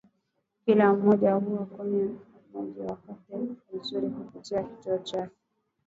kila mmoja kuwa mwenyeji wake wakijiweka vizuri kupata kivutio cha